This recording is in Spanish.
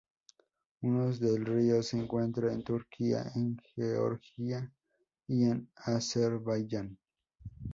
Unos del río se encuentra en Turquía, en Georgia, y en Azerbaiyán.